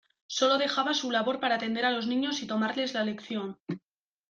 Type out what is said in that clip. Sólo dejaba su labor para atender a los niños y tomarles la lección.